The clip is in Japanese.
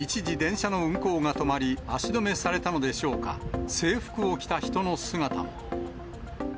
駅には一時、電車の運行が止まり、足止めされたのでしょうか、制服を着た人の姿も。